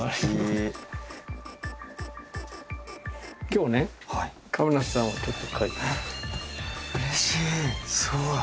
今日ねえっうれしい！